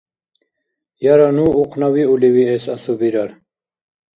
Яра ну ухънавиули виэс асубирар.